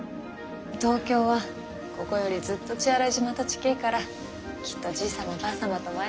東京はここよりずっと血洗島と近ぇからきっとじいさまばあさまとも会えますよ。